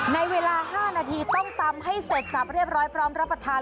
ในเวลา๕นาทีต้องตำให้เสร็จสับเรียบร้อยพร้อมรับประทาน